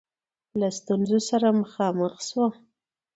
له ستونزو سره مخامخ سوه.